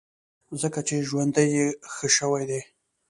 ځکه چې ژوند یې ښه شوی دی.